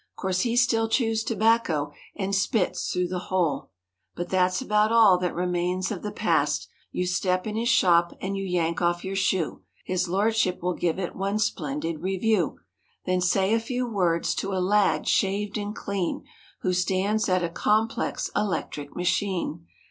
'Course he still chews tobacco and spits through the hole But that's about all that remains of the past. You step in his shop and you yank off your shoe; His lordship will give it one splendid review. Then say a few words to a lad shaved and clean Who stands at a complex electric machine.